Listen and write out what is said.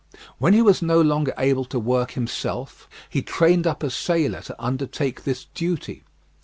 When he was no longer able to work himself, he trained up a sailor to undertake this duty.